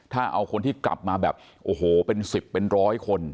ถ้าเอาคนที่กลับมาแบบโอ้โหเป็น๑๐เป็นร้อยคน